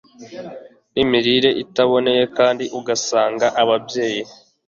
nimirire itaboneye kandi ugasanga ababyeyi